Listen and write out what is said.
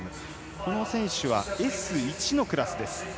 この選手はＳ１のクラス。